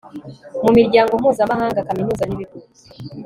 mu miryango mpuzamahanga kaminuza n ibigo